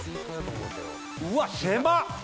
うわっ狭っ！